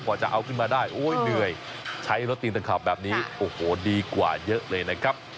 กว่าจะเอาขึ้นมาได้โอ้ยเหนื่อยใช้รถตีนตะขับแบบนี้โอ้โหดีกว่าเยอะเลยนะครับ